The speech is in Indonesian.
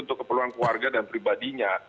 untuk keperluan keluarga dan pribadinya